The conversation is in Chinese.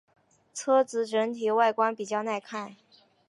车子整体外观比较耐看。